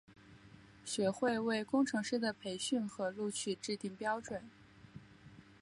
学会为工程师的培训和录取制定标准。